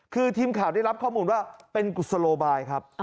คือทีมข่าวได้รับข้อมูลว่าเป็นกุศโลบายครับ